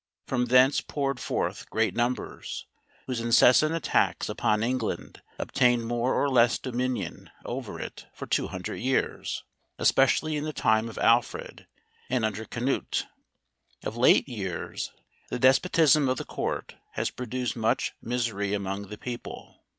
From thence poured forth great numbers, whose incessant attacks upon England obtained more or less dominion over it for 200 years, especially in the time of Alfred, and under Canute. Of late years, the despotism of the Court has produced much mi¬ sery among the people.